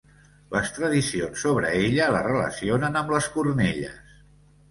Les tradicions sobre ella la relacionen amb les cornelles.